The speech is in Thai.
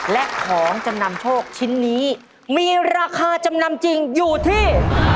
และของจำนำโชคชิ้นนี้มีราคาจำนำจริงอยู่ที่